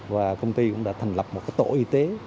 và công ty cũng đã thành lập một tổ y tế